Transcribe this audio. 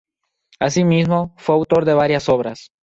Así mismo, fue autor de varias obras.